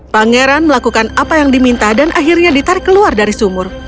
pangeran melakukan apa yang diminta dan akhirnya ditarik keluar dari sumur